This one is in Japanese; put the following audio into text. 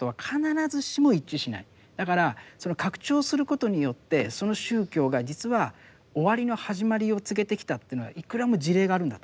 だからその拡張することによってその宗教が実は終わりの始まりを告げてきたというのはいくらも事例があるんだと思うんですよ。